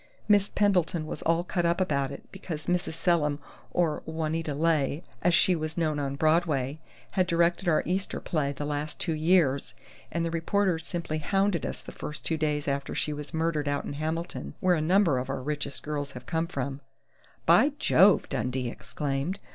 "Miss Pendleton was all cut up about it, because Mrs. Selim, or Juanita Leigh, as she was known on Broadway, had directed our Easter play the last two years, and the reporters simply hounded us the first two days after she was murdered out in Hamilton, where a number of our richest girls have come from " "By Jove!" Dundee exclaimed.